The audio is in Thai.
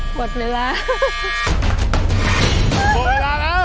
เสร็จเสร็จ